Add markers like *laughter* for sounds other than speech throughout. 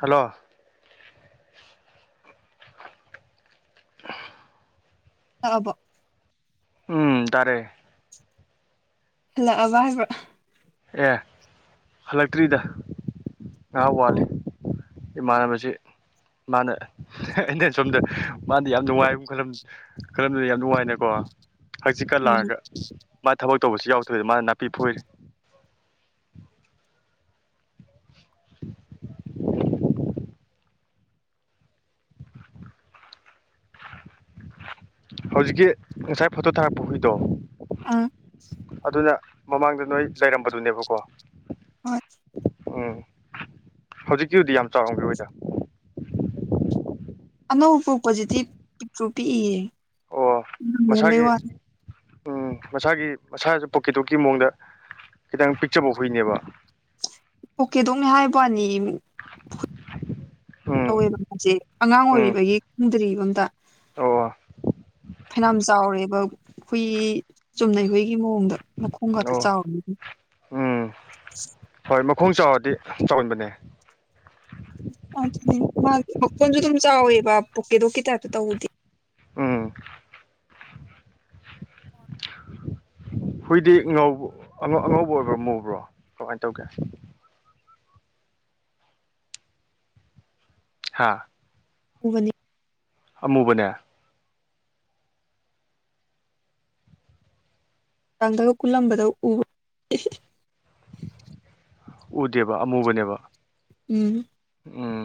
hello ꯇꯥꯔꯕꯣ ꯎꯝ ꯇꯥꯔꯦ ꯍꯜꯂꯛ ꯑꯕꯥ ꯍꯥꯏꯕꯥꯔ ꯑꯦ ꯍꯜꯂꯛꯇ꯭ꯔꯤꯗ ꯉꯥꯏꯍꯥꯛ ꯋꯥꯠꯂꯤ ꯎꯝ ꯏꯃꯥꯟꯅꯕꯁꯤ ꯃꯥꯅ ꯑꯩꯅ ꯁꯣꯝꯗ ꯃꯥꯗꯤ ꯌꯥꯝ ꯅꯨꯡꯉꯥꯏꯕ ꯈꯜꯂꯝ ꯈꯔꯅꯗꯤ ꯌꯥꯝ ꯅꯨꯡꯉꯥꯏ ꯅꯀꯣ ꯍꯛꯆꯤꯛꯀ ꯎꯝ ꯂꯥꯡꯑꯒ ꯃꯥ ꯊꯕꯛ ꯇꯧꯕꯁꯤ ꯌꯥꯎꯗꯣꯏꯗ ꯃꯥꯅ ꯅꯥꯄꯤ ꯐꯣꯏꯔꯤ ꯍꯧꯖꯤꯛꯀꯤ ꯉꯁꯥꯏ ꯐꯣꯇꯣ ꯊꯥꯔꯛꯄ ꯍꯨꯏꯗꯣ ꯎꯝ ꯑꯗꯨꯅ ꯃꯃꯥꯡꯗ ꯅꯣꯏ ꯂꯩꯔꯝꯕꯗꯨꯅꯦꯕꯀꯣ ꯍꯣꯏ ꯎꯝ ꯍꯧꯖꯤꯛꯀꯤꯗꯨꯗꯤ ꯌꯥꯝ ꯆꯥꯎꯔꯝꯒꯤꯔꯣꯏꯗ ꯑꯅꯧꯕ ꯄꯣꯛꯄꯖꯤꯗꯤ ꯄꯤꯛꯇ꯭ꯔꯨ ꯄꯤꯛꯏꯌꯦ ꯑꯣ ꯂꯣꯟꯕꯩ ꯃꯁꯥꯒꯤ ꯋꯥꯅꯤ ꯎꯝ ꯃꯁꯥꯒꯤ ꯃꯁꯥꯁꯨ ꯄꯣꯀꯦꯠ ꯗꯣꯒ ꯀꯤ ꯃꯑꯣꯡꯗ ꯈꯤꯇꯪ ꯄꯤꯛꯆꯕ ꯍꯨꯏꯅꯦꯕ ꯄꯣꯀꯦꯠ ꯗꯣꯒ ꯅꯦ ꯍꯥꯏ ꯋꯥꯅꯦ ꯎꯝ ꯇꯧꯋꯦꯕ ꯃꯥꯁꯦ ꯑꯉꯥꯡ ꯎꯝ ꯑꯣꯏꯔꯤꯕꯒꯤ ꯈꯪꯗ꯭ꯔꯤꯕ ꯑꯝꯗ ꯑꯣ ꯐꯅꯌꯥꯝ ꯆꯥꯎꯔꯦꯕ ꯍꯨꯏ ꯆꯨꯝꯅꯩ ꯍꯨꯏꯒꯤ ꯃꯑꯣꯡꯗ ꯃꯈꯣꯡ ꯈꯥꯛꯇ ꯑꯣ ꯆꯥꯎꯔꯦ ꯎꯝ ꯍꯣꯏ ꯃꯈꯣꯡ ꯆꯥꯎꯔꯗꯤ ꯆꯥꯎꯟꯕꯅꯦ ꯑꯗꯨꯗꯤ ꯃꯥꯒꯤ ꯃꯈꯣꯟꯁꯨ ꯑꯗꯨꯝ ꯆꯥꯎꯋꯦꯕ ꯄꯣꯛꯀꯦꯗꯣꯛꯀꯤ ꯇꯥꯏꯞꯇ ꯇꯧꯕꯗꯤ ꯎꯝ ꯍꯨꯏꯗꯤ ꯉꯥꯎ ꯑꯉꯧꯕ ꯑꯣꯏꯕ꯭ꯔꯣ ꯃꯨꯕ꯭ꯔꯣ ꯀꯃꯥꯏꯅ ꯇꯧꯒꯦ ꯍꯥꯥ ꯎꯕꯅꯤ ꯑꯃꯨꯕꯅꯦ ꯆꯥꯡꯗꯒ ꯀꯨꯜꯂꯝꯕꯗ ꯎꯕ ꯎꯗꯦꯕ ꯑꯃꯨꯕꯅꯦꯕ ꯎꯝ ꯎꯝ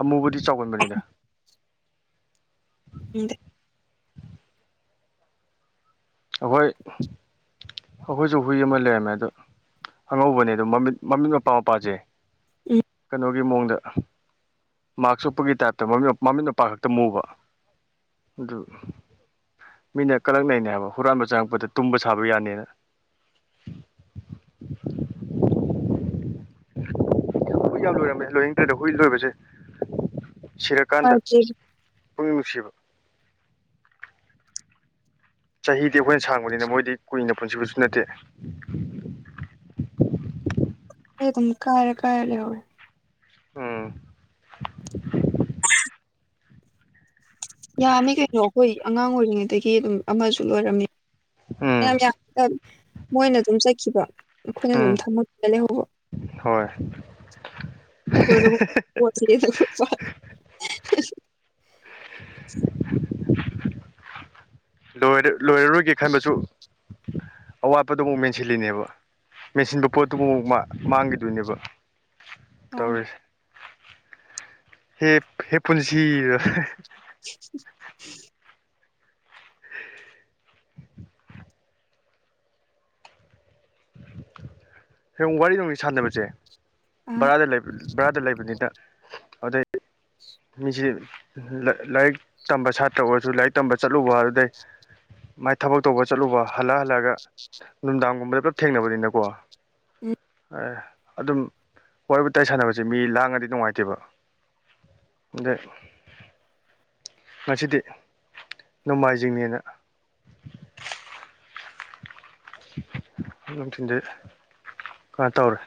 ꯑꯃꯨꯕꯨꯗꯤ ꯆꯥꯎꯒꯟꯕꯅꯤꯅꯦ ꯎꯝ ꯑꯩꯈꯣꯏ ꯑꯩꯈꯣꯏꯁꯨ ꯍꯨꯏ ꯑꯃ ꯂꯩꯔꯝꯃꯦ ꯑꯗ ꯑꯉꯧꯕꯅꯦ ꯑꯗꯨ ꯃꯃꯤꯠ ꯃꯃꯤꯠ ꯃꯄꯥ ꯃꯄꯥꯁꯦ ꯎꯝ ꯀꯩꯅꯣ ꯒꯤ ꯃꯑꯣꯡꯗ ꯃꯥꯛꯁ ꯎꯞꯄꯒꯤ ꯇꯥꯏꯞꯇ ꯃꯃꯤꯠ ꯃꯄ ꯈꯛꯇ ꯃꯨꯕ ꯑꯗꯨ ꯃꯤꯅ ꯀꯂꯛꯅꯩꯅꯦ ꯍꯥꯏꯕ ꯍꯨꯔꯥꯟꯕ ꯆꯪꯉꯛꯄꯗ ꯇꯨꯝꯕ ꯁꯥꯕ ꯌꯥꯅꯤꯅ ꯍꯨꯏ ꯌꯥꯝ ꯂꯣꯏꯔꯝꯃꯦ ꯂꯣꯏꯅꯤꯡꯗ꯭ꯔꯔꯗ ꯍꯨꯏ ꯂꯣꯏꯕꯁꯦ ꯁꯤꯔꯀꯥꯟꯗ ꯄꯨꯛꯅꯤꯡ ꯅꯨꯡꯁꯤꯕ ꯆꯍꯤꯗꯤ ꯑꯩꯈꯣꯏꯅ ꯁꯥꯡꯕꯅꯤꯅ ꯃꯣꯏꯗꯤ ꯀꯨꯏꯅ ꯄꯨꯟꯁꯤꯕꯁꯨ ꯅꯠꯇꯦ ꯑꯩ ꯑꯗꯨꯝ ꯀꯥꯏꯔ ꯀꯥꯏꯔ ꯂꯩꯍꯧꯔꯦ ꯎꯝ ꯌꯥꯝꯃꯤ ꯀꯩꯅꯣ ꯑꯩꯈꯣꯏ ꯑꯉꯥꯡ ꯑꯣꯏꯔꯤꯉꯩꯗꯒꯤ ꯑꯗꯨꯝ ꯂꯣꯏꯔꯝꯃꯤ ꯎꯝ ꯌꯥꯝ ꯌꯥꯝꯃꯤꯗ ꯃꯣꯏꯅ ꯑꯗꯨꯝ ꯆꯠꯈꯤꯕ ꯑꯩꯈꯣꯏꯅ ꯑꯗꯨꯝ ꯎꯝ ꯊꯝꯃꯣꯏ ꯂꯩꯍꯧꯕ ꯍꯣꯏ ꯄꯣꯠꯁꯤꯗꯤ *unintelligible* ꯂꯣꯏꯔ ꯂꯣꯏꯔꯔꯣꯏꯒꯦ ꯈꯟꯕꯁꯨ ꯑꯋꯥꯠꯄꯗꯨ ꯑꯃꯨꯛ ꯃꯦꯟꯁꯤꯜꯂꯤꯅꯦꯕ ꯃꯦꯟꯁꯤꯟꯕ ꯄꯣꯠꯇꯨꯕꯨ ꯑꯃꯨꯛ ꯃꯥꯡ ꯃꯥꯡꯒꯤꯗꯣꯏꯅꯦꯕ ꯑꯥ ꯇꯧꯔꯤꯁꯦ ꯍꯦꯞ ꯍꯦ ꯄꯨꯟꯁꯤꯗꯣ *unintelligible* *unintelligible* ꯁꯨꯝ ꯋꯥꯔꯤ ꯅꯨꯡꯔꯤ ꯁꯥꯟꯅꯕꯁꯦ ꯑꯥ ꯕꯔꯥꯗ ꯂꯩꯕ ꯕꯔꯥꯗ ꯂꯩꯕꯅꯤꯅ ꯑꯗꯩ ꯃꯤꯁꯤ ꯂꯥꯏ ꯂꯥꯏꯔꯤꯛ ꯇꯝꯕ ꯁꯥꯇ꯭ꯔ ꯑꯣꯏꯔꯁꯨ ꯂꯥꯏꯔꯤꯛ ꯇꯝꯕ ꯆꯠꯂꯨꯕ ꯑꯗꯨꯗꯩ ꯃꯥꯏ ꯊꯕꯛ ꯇꯧꯕ ꯆꯠꯂꯨꯕ ꯍꯜꯂꯛ ꯍꯜꯂꯛꯑꯒ ꯅꯨꯡꯗꯥꯡꯒꯨꯝꯕꯗ ꯄꯨꯂꯞ ꯊꯦꯡꯅꯕꯅꯤꯅꯀꯣ ꯎꯝ ꯑꯦ ꯑꯗꯨꯝ ꯋꯥꯔꯤ ꯋꯥꯇꯥꯏ ꯁꯥꯟꯅꯕꯁꯦ ꯃꯤ ꯂꯥꯡꯉꯗꯤ ꯅꯨꯡꯉꯥꯏꯇꯦꯕ ꯑꯗꯩ ꯉꯁꯤꯗꯤ ꯅꯣꯡꯃꯥꯏꯖꯤꯡꯅꯦꯅ ꯅꯨꯡꯊꯤꯟꯗꯤ ꯀꯩꯅꯣ ꯇꯧꯔꯦ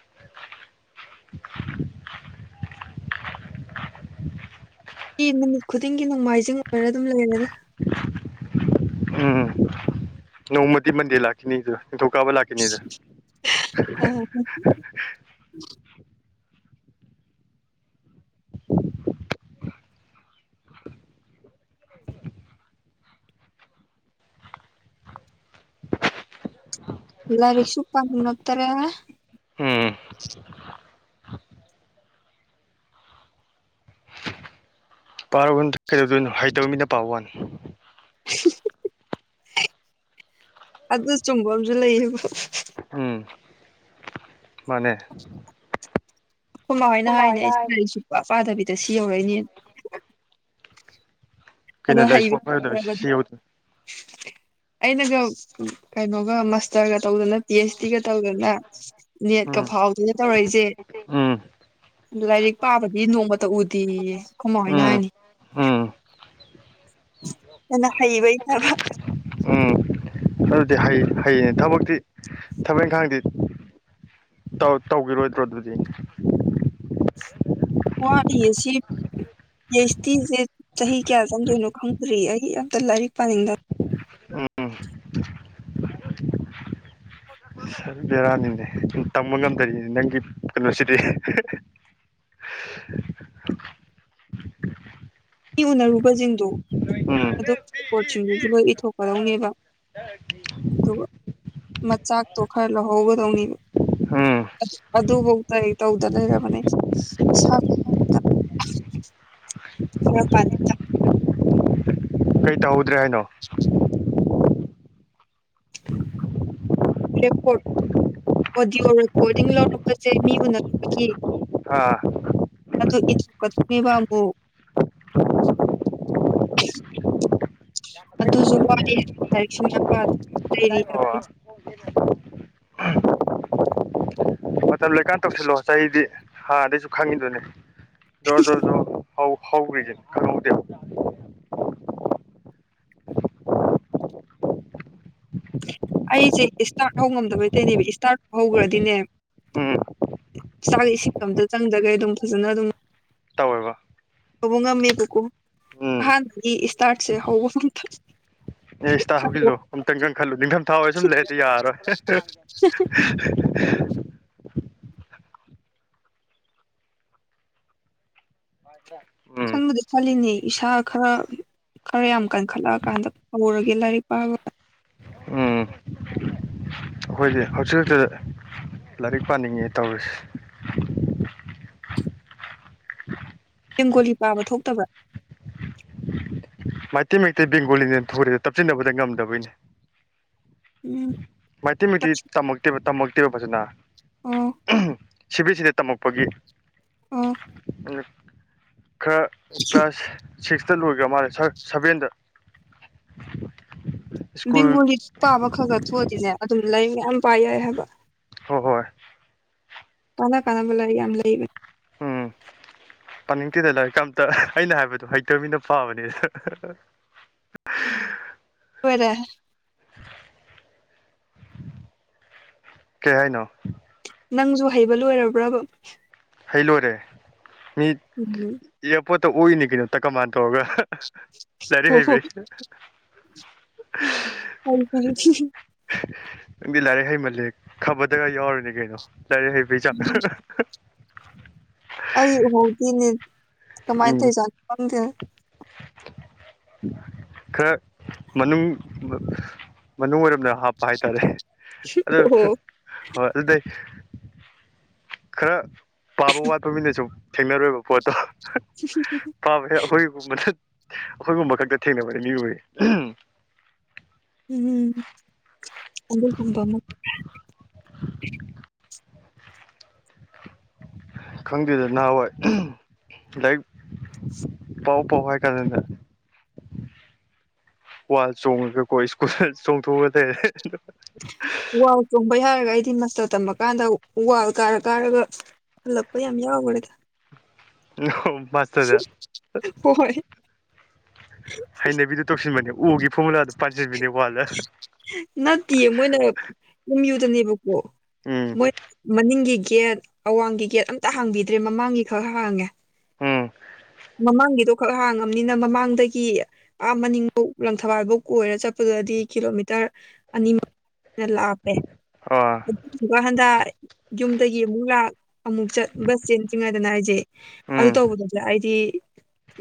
*unintelligible* ꯅꯨꯃꯤꯠ ꯈꯨꯗꯤꯡꯒꯤ ꯅꯣꯡꯃꯥꯏꯖꯤꯡ ꯑꯣꯏꯔ ꯑꯗꯨꯝ ꯂꯩꯔꯦꯗ ꯎꯝ ꯅꯣꯡꯃꯗꯤ ꯃꯟꯗꯦ ꯂꯈꯤꯅꯤꯗꯨ ꯅꯤꯡꯊꯧꯀꯕ ꯂꯥꯛ ꯈꯤꯅꯤꯗꯨ *unintelligible* *unintelligible* ꯂꯥꯏꯔꯤꯛꯁꯨꯨ ꯄꯅꯤꯡꯉꯛꯇꯔꯦ ꯎꯝ ꯄꯥꯔꯨꯔꯅꯨꯗ ꯀꯩꯗꯧꯗꯣꯏꯅꯣ ꯍꯩꯇꯕ ꯃꯤꯅ ꯄꯥꯕ ꯋꯥꯅꯦ ꯑꯗꯨ ꯆꯨꯝꯕ ꯑꯃꯖꯨ ꯂꯩꯑꯕ ꯎꯝ ꯃꯥꯅꯦ ꯈꯣꯏꯃ ꯍꯣꯏꯅ ꯍꯥꯏꯅꯦ ꯑꯩꯁꯦ ꯂꯥꯏꯛ ꯁꯨꯛꯄ ꯄꯥꯗꯕꯤꯗ ꯁꯤ ꯌꯧꯔꯛꯏꯅꯦ ꯑꯗꯣ ꯀꯩꯅꯣ ꯂꯥꯏꯔꯤꯛ ꯍꯩꯕ ꯁꯨꯡꯄꯥ ꯄꯥꯏꯔꯣꯏꯗꯕ *unintelligible* ꯁꯤ ꯌꯧꯗꯣꯏꯅꯤ ꯑꯩꯅꯒ ꯀꯩꯅꯣꯒ ꯃꯥꯁꯇꯔꯒ ꯇꯧꯗꯅ ꯄꯤ ꯑꯦꯆꯗꯤꯒ ꯇꯧꯗꯅ ꯅꯦꯠꯀ ꯎꯝ ꯐꯥꯎꯗꯅ ꯇꯧꯔꯛꯏꯖꯦ ꯎꯝ ꯑꯗꯨ ꯂꯥꯏꯔꯤꯛ ꯄꯥꯕꯗꯤ ꯅꯣꯡꯃꯇ ꯎꯗꯦꯌꯦ ꯑꯈꯣꯏꯃ ꯍꯣꯏꯅ ꯎꯝ ꯍꯥꯏꯅꯤ ꯎꯝ ꯑꯗꯨꯅ ꯍꯩꯕꯩ ꯇꯕ ꯎꯝ ꯑꯗꯨꯗꯤ ꯍꯩ ꯍꯩꯌꯦ ꯊꯕꯛꯇꯤ ꯊꯕꯛ ꯏꯪꯈꯥꯡꯗꯤ ꯇꯧ ꯇꯧꯒꯤꯔꯣꯏꯗ꯭ꯔꯣ ꯑꯗꯨꯗꯤ ꯋꯥꯠꯂꯤꯌꯦ ꯁꯤ ꯄꯤꯑꯦꯆꯇꯤꯁꯦ ꯆꯍꯤ ꯀꯌꯥ ꯆꯪꯗꯣꯏꯅꯣ ꯈꯪꯗ꯭ꯔꯤ ꯑꯩꯒꯤ ꯑꯝꯇ ꯂꯥꯏꯔꯤꯛ ꯄꯥꯅꯤꯡꯗ ꯎꯝ ꯐꯖꯟ ꯕꯦꯔꯥꯅꯤꯅꯦ ꯇꯝꯕ ꯉꯝꯗꯔꯤꯅꯦ ꯅꯪꯒꯤ ꯀꯩꯅꯣꯁꯤꯗꯤ ꯃꯤ ꯎꯅꯔꯨꯕꯁꯤꯡꯗꯨ ꯎꯝ ꯑꯗꯨꯒꯤ ꯔꯤꯄꯣꯔꯠꯁꯤꯡꯗꯨꯁꯨ ꯂꯣꯏꯊꯣꯛꯀꯗꯧꯅꯦꯕ ꯑꯗꯨꯒ ꯃꯆꯥꯛꯇꯣ ꯈꯔ ꯂꯧꯍꯧꯒꯗꯧꯅꯤ ꯎꯝ ꯑꯗꯨ ꯑꯗꯨꯕꯧꯇ ꯑꯩ ꯇꯧꯗꯗꯅ ꯂꯩꯔꯕꯅꯦ ꯁꯝ ꯀꯔꯄꯟ *unintelligible* ꯀꯩ ꯇꯧꯍꯧꯗ꯭ꯔꯦ ꯍꯥꯏꯅꯣ *inaudible* ꯔꯦꯀꯣꯔꯠ ꯑꯣꯗꯤꯌꯑꯣ ꯔꯦꯀꯣꯔꯗꯤꯡ ꯂꯧꯔꯛꯄꯖꯦ ꯃꯤ ꯎꯟꯅꯔꯨꯕꯒꯤ ꯑꯥ ꯑꯗꯨ ꯏꯊ ꯀꯊꯅꯦꯕ ꯑꯃꯨꯛ ꯑꯗꯨꯁꯨ ꯋꯥꯑꯦ ꯂꯥꯏꯔꯤꯛꯄꯥ ꯂꯩꯔꯤ ꯍꯥꯏ ꯑꯣ ꯇ ꯂꯩꯀꯥꯟ ꯇꯧꯁꯤꯜꯂꯛꯑꯣ ꯆꯍꯤꯗꯤ ꯍꯥꯟꯅꯗꯩꯁꯨ ꯈꯪꯉꯤꯗꯨꯣꯏꯅꯦ ꯖꯣꯔ ꯖꯣꯔꯣ ꯖꯣꯔ ꯍꯧ ꯍꯒꯗꯦꯕ ꯑꯩꯁꯦ ꯏꯁꯇꯥꯔꯠ ꯍꯧꯉꯝꯗꯕꯩꯇꯩꯅꯦꯕ ꯏꯁꯇꯥꯔꯠ ꯍꯧꯈ꯭ꯔꯗꯤꯅꯦ ꯎꯝ ꯆꯥꯛꯗ ꯏꯁꯤꯡꯗꯣ ꯑꯝꯇ ꯆꯪꯗꯒ ꯑꯗꯨꯝ ꯐꯖꯅ ꯑꯗꯨꯝ ꯇꯧꯋꯦꯕ ꯍꯧꯕ ꯉꯝꯃꯦꯕꯀꯣ ꯎꯝ ꯑꯍꯥꯟꯕꯒꯤ ꯏꯁꯇꯥꯔꯠꯁꯦ ꯍꯧꯕ ꯉꯇ ꯑꯦ ꯏꯁꯇꯥ ꯍꯧꯞꯖꯤꯜꯂꯨ ꯑꯨꯛꯇꯪꯒ ꯈꯜꯂꯨ ꯅꯤꯡꯊꯝ ꯊꯥ ꯑꯣꯏꯦ ꯁꯨꯝ ꯂꯩꯗꯤ ꯌꯥꯔꯣꯏ *inaudible* ꯎꯝ ꯈꯟꯕꯗꯤ ꯈꯜꯂꯤꯅꯦ ꯏꯁꯥ ꯈꯔ ꯈꯔ ꯌꯥꯝ ꯀꯟꯈꯠꯂꯛꯑ ꯀꯥꯟꯗ ꯍꯧꯔꯒꯦ ꯂꯥꯏꯔꯤꯛ ꯄꯥꯕ ꯎꯝ ꯑꯩꯈꯣꯏꯗꯤ ꯍꯧꯖꯤꯛ ꯈꯛꯇꯗ ꯂꯥꯏꯔꯤꯛ ꯄꯥꯅꯤꯡꯉꯦ ꯇꯧꯔꯤꯁꯦ ꯦꯡꯒꯣꯂꯤ ꯄꯥꯕ ꯊꯣꯛꯇꯕ꯭ꯔꯥ ꯃꯩꯇꯩ ꯃꯩꯇꯩ ꯕꯦꯡꯒꯣꯂꯤꯅꯦꯅ ꯊꯣꯔꯦꯦ ꯇꯞꯁꯤꯟꯅꯕꯗ ꯉꯝꯗꯕꯩꯅꯦ ꯎꯝ ꯃꯩꯇꯩ ꯃꯩꯛꯇꯤ ꯇꯝꯃꯛꯇꯦꯕ ꯇꯝꯃꯛꯇꯦꯕ ꯐꯖꯅ ꯑꯣ ꯁꯤ ꯕꯤ ꯑꯦꯁ ꯁꯤꯗ ꯇꯝꯃꯛꯄꯒꯤ ꯑ ꯈꯔ ꯀ꯭ꯂꯥꯁ ꯁꯤꯛꯁꯇ ꯂꯣꯏꯈ꯭ꯔ ꯃꯥꯜꯂꯦ ꯁꯚꯦꯟꯗ *inaudible* ꯕꯦꯡꯒꯣꯂꯤ ꯄꯥꯕ ꯈꯛ ꯈ ꯊꯣꯛꯑꯗꯤꯅꯦ ꯑꯗꯨꯝ ꯂꯩ ꯃꯌꯥꯝ ꯄꯥ ꯌꯥꯏ ꯍꯥꯏꯕ ꯍꯣꯏ ꯍꯣꯏ ꯇꯥꯟꯅꯥ ꯀꯥꯟꯅꯕ ꯂꯔꯒ ꯌꯥꯝꯝ ꯂꯩ ꯎꯝ ꯄꯥꯅꯤꯡꯊꯤꯗ ꯂꯔꯤꯀꯝꯇ ꯑꯩꯅ ꯍꯥꯏꯕꯗꯣ ꯍꯩꯇꯕꯅꯤꯅ ꯄꯥꯕꯅꯤ ꯍꯣꯏꯔꯦ ꯀꯍꯅꯣ ꯅꯪꯁꯨ ꯍꯩꯕ ꯂꯣꯏꯔꯕ꯭ꯔꯥꯕ ꯍꯩ ꯂꯣꯏꯔꯦ ꯃꯤ ꯎꯝ ꯏꯌꯥꯔꯄꯣꯔꯠꯇ ꯑꯣꯏꯏꯅꯤ ꯀꯩꯅꯣꯇ ꯀꯃꯥꯟ ꯇꯧꯔꯒ ꯂꯥꯏꯔꯤꯛ ꯍꯣ ꯍꯣ ꯍꯩꯕꯩ *unintelligible* *unintelligible* ꯅꯪꯗꯤ ꯂꯥꯏꯔꯤꯛ ꯍꯩꯃꯜꯂꯦ ꯈꯕꯔꯗꯒ ꯌꯥꯎꯔꯅꯤ ꯀꯩꯅꯣ ꯂꯥꯏꯔꯤꯛ ꯍꯩꯕꯩ ꯆꯥꯡ ꯑꯩ ꯎꯍꯧꯗꯤꯅꯦ ꯀꯃꯥꯏꯅ ꯎꯝ ꯇꯧꯔꯤꯁꯥꯠꯅꯣ ꯈꯪꯗꯦ *unintelligible* ꯈꯔ ꯃꯅꯨꯡ ꯃꯅꯨꯡ ꯑꯣꯏꯔꯝꯅ ꯍꯥꯞꯄ ꯍꯥꯏꯇꯥꯔꯦ ꯑꯗꯣ *unintelligible* ꯈꯔ ꯄꯥꯕ ꯋꯥꯠꯄ ꯃꯤꯅ ꯁꯨꯝ ꯊꯦꯡꯅꯔꯣꯏꯕ ꯄꯣꯠꯇꯣ ꯄꯥꯕꯁꯦ ꯑꯩꯈꯣꯏꯒꯨꯝꯕꯅ ꯑꯩꯈꯣꯏꯒꯨꯝꯕ ꯈꯛꯇ ꯊꯦꯡꯅꯕꯅꯦ ꯃꯤꯒꯨꯝꯕ ꯎꯝꯝ ꯑꯗꯨꯒꯨꯝꯕ ꯑꯃ ꯈꯪꯗꯦꯗ ꯅꯍꯥꯟꯋꯥꯏ ꯂꯥꯏꯔꯤꯛ ꯄꯥꯎ ꯄꯥꯎ ꯍꯥꯏꯀꯥꯟꯗꯅ ꯋꯥꯜ ꯆꯣꯡꯉꯒꯀꯣ ꯁ꯭ꯀꯨꯜ ꯆꯣꯡꯊꯣꯛꯑꯒ ꯂꯩꯔꯦ ꯋꯥꯜ ꯆꯣꯡꯕꯩ ꯍꯥꯏꯔꯒ ꯑꯩꯗꯤ ꯃꯁꯇꯔ ꯇꯝꯃ ꯀꯥꯟꯗ ꯎ ꯋꯥꯜ ꯀꯥꯔ ꯀꯥꯏꯔꯒ ꯍꯂꯛꯄꯥ ꯌꯥꯝ ꯌꯥꯎꯒ꯭ꯔꯦꯗ ꯑꯣ ꯃꯥꯁꯇꯔꯗ ꯍꯣꯏ ꯍꯩꯅꯕꯤꯗꯨ ꯇꯧꯁꯤꯟꯕꯅꯦ ꯎꯒꯤ ꯐꯣꯔꯃꯨꯂꯥꯗ ꯄꯥꯟꯁꯤꯟꯕꯅꯦ ꯋꯥꯜꯗ ꯅꯠꯇꯦ ꯃꯣꯏꯅ ꯑꯝꯌꯨꯝ ꯗꯅꯦꯕꯀꯣ ꯎꯝ ꯃꯅꯤꯡꯒꯤ ꯒꯦꯠ ꯑꯋꯥꯡꯒꯤ ꯒꯦꯠ ꯑꯝꯇ ꯍꯥꯡꯕꯤꯗ꯭ꯔꯦ ꯃꯃꯥꯡꯒꯤ ꯈꯛ ꯍꯥꯡꯉꯦ ꯎꯝ ꯃꯃꯥꯡꯒꯤꯗꯣ ꯈꯛ ꯍꯥꯡꯉꯕꯅꯤꯅ ꯃꯃꯥꯡꯗꯒꯤ ꯑꯥ ꯃꯅꯤꯡꯐꯧ ꯂꯪꯊꯕꯥꯜꯐꯧ ꯀꯣꯏꯔ ꯆꯠꯄꯗꯨꯗꯤ ꯀꯤꯂꯣꯃꯤꯇꯔ ꯇꯔ ꯑꯅꯤꯃꯨꯈꯥꯢ ꯍꯦꯟꯅ ꯂꯥꯞꯄꯦ ꯑꯣ ꯑꯗꯨꯗꯨꯒ ꯍꯟꯒꯠ *inaudible* ꯖꯟꯗ ꯌꯨꯝꯗꯒꯤ ꯑꯃꯨꯛ ꯂꯥꯛ ꯑꯃꯨꯛ ꯆꯠ ꯕꯁ ꯆꯦꯟꯗ꯭ꯔꯤꯉꯩꯗꯅ ꯍꯥꯏꯁꯦ ꯑꯗꯨ ꯎꯝ ꯇꯧꯕꯗꯗꯤ ꯑꯩꯗꯤ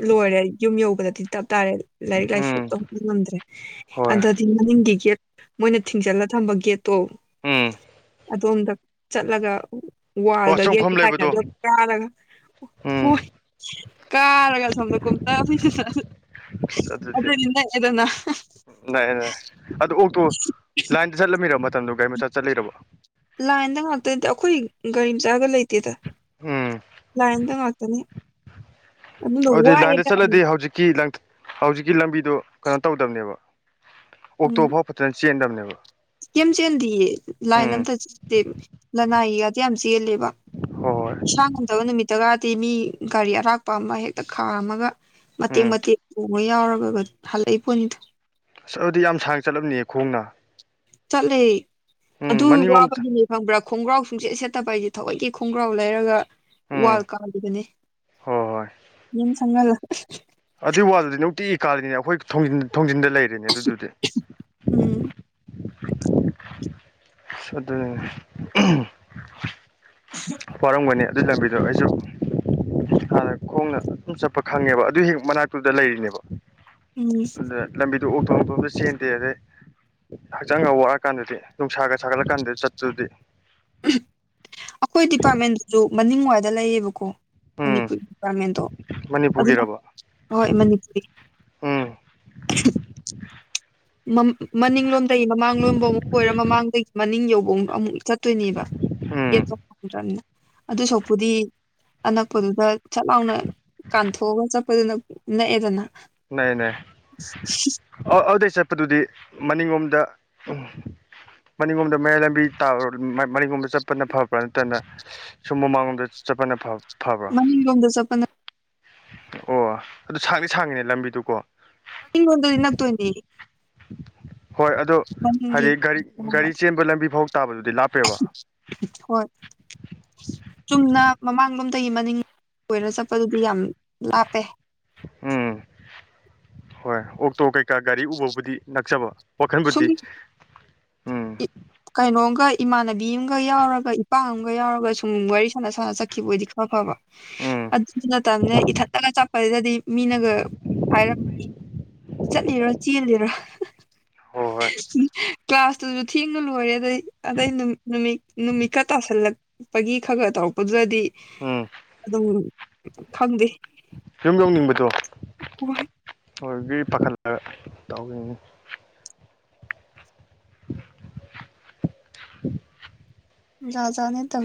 ꯂꯣꯏꯔꯦ ꯌꯨꯝ ꯌꯧꯕꯗꯗꯤ ꯇꯞ ꯇꯥꯔꯦ ꯂꯥꯏꯔꯤꯛ ꯂꯥꯏꯁꯨ ꯎꯝ ꯇꯧꯕ ꯉꯝꯗ꯭ꯔꯦ ꯍꯣꯏ ꯑꯗꯗꯤ ꯃꯅꯤꯡꯒꯤ ꯒꯦꯠ ꯃꯣꯏꯅ ꯊꯤꯡꯖꯤꯜꯂ ꯊꯝꯕ ꯒꯦꯠꯇꯣ ꯎꯝ ꯑꯗꯣꯝꯗ ꯆꯠꯂꯒ ꯑꯣ ꯋꯥꯜꯒ ꯒꯦꯠꯀ ꯆꯣꯡꯐꯝ ꯂꯩꯕꯗꯣ ꯇꯥꯏꯅꯕꯗ ꯀꯥꯔꯒ ꯎꯝ ꯍꯣꯏ ꯀꯥꯔꯒ ꯁꯣꯝꯗ ꯀꯨꯝꯊ *inaudible* ꯑꯗꯨꯗꯤ ꯅꯛꯑꯦꯗꯅ ꯅꯛꯑꯦ ꯅꯛꯑꯦ ꯑꯗꯨ ꯑꯣꯛꯇꯣ ꯂꯥꯏꯟꯗ ꯆꯠꯂꯝꯃꯤꯔꯕ ꯃꯇꯝꯗꯨ ꯒꯥꯔꯤ ꯃꯆꯥ ꯆꯠꯂꯤꯔꯕ ꯂꯥꯏꯟꯗ ꯉꯥꯛꯇ ꯅꯤꯗ ꯑꯩꯈꯣꯏ ꯒꯥꯔꯤ ꯃꯆꯥꯒ ꯂꯩꯇꯦꯗ ꯎꯝ ꯂꯥꯏꯟꯗ ꯉꯥꯛꯇꯅꯤ ꯑꯗꯨꯅ ꯑꯗꯨꯗꯤ ꯋꯥꯏ ꯂꯥꯏꯟꯗ ꯍꯥꯢꯕ ꯆꯠꯂꯗꯤ ꯍꯧꯖꯤꯛꯀꯤ ꯂꯥꯡ ꯍꯧꯖꯤꯛꯀꯤ ꯂꯝꯕꯤꯗꯣ ꯀꯩꯅꯣ ꯇꯧꯗꯕꯅꯦꯕ ꯑꯣꯛꯇꯣ ꯐꯥꯎ ꯐꯖꯅ ꯆꯦꯟꯗꯕꯅꯦꯕ ꯀꯦꯝ ꯆꯦꯟꯗꯤꯌꯦ ꯂꯥꯏꯟ ꯎꯝ ꯑꯝꯇ ꯆꯠꯇꯦ ꯂꯅꯥꯏꯒꯗꯤ ꯌꯥꯝ ꯆꯦꯜꯂꯦꯕ ꯍꯣꯏ ꯍꯣꯏ ꯏꯁꯥ ꯉꯝꯗꯕ ꯅꯨꯃꯤꯠꯇꯒ ꯇꯤ ꯃꯤ ꯒꯥꯔꯤ ꯑꯔꯥꯛꯄ ꯑꯃ ꯍꯦꯛꯇ ꯈꯥꯝꯔꯒ ꯃꯇꯦꯛ ꯎꯝ ꯃꯇꯦꯛ ꯃꯣꯏ ꯌꯥꯎꯔꯒ ꯍꯜꯂꯛꯏ ꯄꯣꯠꯅꯤꯗꯣ ꯑꯁ ꯑꯗꯨꯗꯤ ꯌꯥꯝ ꯁꯥꯡꯅ ꯆꯠꯂꯝꯅꯤꯌꯦ ꯈꯣꯡꯅ ꯆꯠꯂꯦ ꯎꯝ ꯑꯗꯨ ꯃꯅꯤꯡꯂꯣꯝꯗ ꯋꯥꯕꯒꯤꯅꯦ ꯈꯪꯕ꯭ꯔꯥ ꯈꯣꯡꯒ꯭ꯔꯥꯎ ꯁꯨꯡꯆꯦꯠ ꯁꯦꯠꯇꯕ ꯑꯩꯁꯦ ꯊꯋꯣꯢꯒꯤ ꯈꯣꯡꯒ꯭ꯔꯥꯎ ꯂꯩꯔꯒ ꯎꯝ ꯋꯥꯜ ꯀꯥꯜꯅꯤꯕꯅꯦ ꯍꯣꯏ ꯍꯣꯏ ꯃꯤ ꯁꯪꯍꯜꯂꯒ ꯑꯗꯨꯏ ꯋꯥꯜꯗꯨꯗꯤ ꯅꯨꯡꯇꯤ ꯀꯥꯜꯂꯤꯅꯦ ꯑꯩꯈꯣꯏꯒꯤ ꯊꯣꯡꯖꯤꯟꯗ ꯂꯩꯔꯤꯅꯦ ꯑꯗꯨꯗꯨꯗꯤ ꯎꯝ ꯑꯗꯨꯅꯤꯅꯦ ꯋꯥꯔꯝꯒꯅꯤ ꯑꯗꯨꯏ ꯂꯝꯕꯤꯗꯣ ꯑꯩꯁꯨ ꯍꯥꯟꯅ ꯈꯣꯡꯅ ꯑꯗꯨꯝ ꯆꯠꯄ ꯈꯪꯉꯦꯕ ꯑꯗꯨ ꯍꯦꯛ ꯃꯅꯥꯛꯇ ꯂꯩꯔꯤꯅꯦꯕ ꯎꯝ ꯑꯗꯨꯗ ꯂꯝꯕꯤꯗꯣ ꯑꯣꯇꯣ ꯅꯨꯡꯇꯣ ꯑꯝ ꯆꯦꯟꯗꯦ ꯑꯗꯩ ꯍꯛꯆꯥꯡꯒ ꯋꯥꯔꯀꯥꯟꯗꯗꯤ ꯅꯨꯡꯁꯥꯒ ꯁꯥꯒꯠꯂꯀꯥꯟꯗ ꯆꯠꯕꯗꯨꯗꯤ ꯑꯩꯈꯣꯏ ꯗꯤꯄꯥꯔꯠꯃꯦꯟꯗꯨꯁꯨ ꯃꯅꯤꯡ ꯋꯥꯏꯗ ꯂꯩꯌꯦꯕꯀꯣ ꯎꯝ ꯃꯅꯤꯄꯨꯔꯤ ꯗꯤꯄꯥꯔꯠꯃꯦꯟꯗꯣ ꯑꯗꯨꯅ ꯃꯅꯤꯄꯨꯔꯒꯤꯔꯕ ꯍꯣꯏ ꯃꯅꯤꯄꯨꯔꯤ ꯎꯝ ꯃꯅꯤꯡꯂꯣꯝꯗꯒꯤ ꯃꯃꯥꯡ ꯂꯣꯝꯕ ꯑꯃꯨꯛ ꯑꯣꯏꯔ ꯃꯃꯥꯡꯗꯒꯤ ꯃꯅꯤꯡ ꯌꯧꯕ ꯑꯃꯨꯛ ꯑꯃꯨꯛ ꯆꯠ ꯆꯠꯇꯣꯏꯅꯦꯕ ꯎꯝ ꯌꯦꯗ꯭ꯔꯅꯤꯅ *inaudible* ꯑꯗꯨ ꯁꯛꯄꯨꯗꯤ ꯑꯅꯛꯄꯗꯨꯗ ꯁꯥꯠ ꯂꯥꯎꯅ ꯀꯥꯥꯟꯊꯣꯛꯑꯒ ꯆꯠꯄꯗꯨꯅ ꯅꯛꯑꯦꯗꯅ ꯅꯦꯏ ꯑꯗꯨꯗꯩ ꯆꯠꯄꯗꯨꯗꯤ ꯃꯅꯤꯡꯂꯣꯝꯗ ꯎꯝ ꯃꯅꯤꯡꯒꯣꯝꯗ ꯃꯌꯥꯏ ꯂꯝꯕꯤ ꯇꯥ ꯃꯅꯤꯡꯔꯣꯝꯗ ꯆꯠꯄꯅ ꯐꯕ꯭ꯔꯥ ꯅꯠꯇꯔꯅ ꯁꯣꯝ ꯃꯃꯥꯥꯡꯔꯣꯝꯗ ꯆꯦꯄꯅ ꯐꯥꯕꯔꯥ ꯐꯕ꯭ꯔꯣ ꯃꯅꯤꯡꯂꯣꯝꯗ ꯆꯠꯄꯅ ꯑꯣ ꯑꯗꯨ ꯁꯥꯡꯗꯤ ꯁꯥꯡꯉꯤꯅꯦ ꯂꯝꯕꯤꯗꯨꯀꯣ ꯅꯪ *inaudible* ꯗ ꯑꯗꯨꯤꯟ ꯇꯣꯏꯅꯤꯡ ꯍꯣꯏ ꯑꯗꯣ ꯃꯅꯤꯡꯒꯤ ꯍꯥꯏꯗꯤ ꯒꯥꯔꯤ ꯒꯥꯔꯤ ꯆꯦꯟꯕ ꯂꯝꯕꯤ ꯐꯥꯎ ꯇꯥꯕꯗꯨꯗꯤ ꯂꯥꯞꯄꯦꯕ ꯍꯣꯏ ꯆꯨꯝꯅ ꯃꯃꯥꯡꯂꯣꯝꯗꯒꯤ ꯃꯅꯤꯡꯔꯣꯝ ꯆꯠꯄꯗꯨꯗꯤ ꯌꯥꯝ ꯂꯥꯞꯄꯦ ꯎꯝ ꯍꯣꯏ ꯑꯣꯛꯇꯀꯩ ꯒꯥꯔꯤ ꯎꯕꯕꯨꯗꯤ ꯅꯛꯆꯕ ꯁꯨꯝ ꯋꯥꯈꯟꯕꯨꯗꯤ ꯀꯩꯅꯣꯝꯒ ꯏꯃꯥꯟꯅꯕꯤ ꯑꯃꯒ ꯌꯥꯎꯔꯒ ꯏꯄꯥ ꯑꯃꯒ ꯌꯥꯎꯔꯒ ꯁꯨꯝ ꯋꯥꯔꯤ ꯁꯥꯟꯅ ꯁꯥꯟꯅ ꯆꯠꯈꯤꯕ ꯑꯣꯏꯗꯤ ꯈꯔ ꯐꯕ ꯎꯝ ꯑꯗꯨꯁꯨ ꯅꯠꯇꯕꯅꯦ ꯏꯊꯟꯗꯒ ꯆꯠꯄꯁꯤꯗꯗꯤ ꯃꯤꯅꯒ ꯍꯥꯏꯔꯝ ꯆꯠꯂꯤꯔ ꯆꯦꯜꯂꯤꯔꯣ ꯍꯣꯏ ꯍꯣꯏ ꯀ꯭ꯂꯥꯁ ꯊ *inaudible* ꯂꯣꯏꯔꯦ ꯑꯗꯩ ꯑꯗꯩ ꯅꯨꯃꯤꯠ ꯅꯨꯃꯤꯠꯀ ꯇꯥꯁꯜꯂꯛꯄꯒꯤ ꯈ ꯈꯔ ꯇꯧꯔꯛꯄꯗꯨꯔꯗꯤ ꯎꯝ ꯑꯗꯨꯝ ꯈꯪꯗꯦ ꯌꯤꯕꯝ ꯌꯧꯅꯤꯡꯕꯗꯣ ꯑꯗꯨꯒꯤ ꯄꯥꯈꯠꯂꯒ ꯇꯧꯅꯤ *inaudible* ꯌꯥꯥꯖꯅꯦ ꯇ